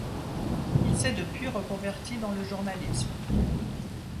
Il s'est depuis reconverti dans le journalisme.